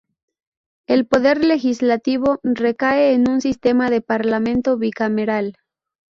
El poder legislativo recae en un sistema de parlamento bicameral.